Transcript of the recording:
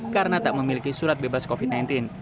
karena tak memiliki surat bebas covid sembilan belas